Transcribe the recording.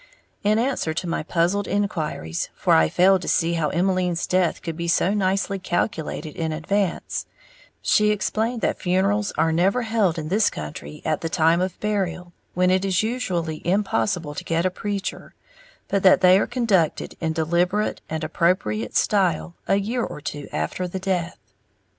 In answer to my puzzled inquiries for I failed to see how Emmeline's death could be so nicely calculated in advance she explained that funerals are never held in this country at the time of burial, when it is usually impossible to get a preacher, but that they are conducted in deliberate and appropriate style a year or two after the death.